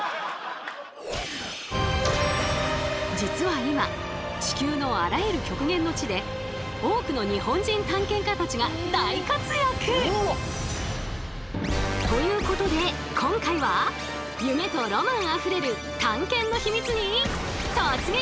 実は今地球のあらゆる極限の地で多くの日本人探検家たちが大活躍！ということで今回は夢とロマンあふれる探検のヒミツに突撃！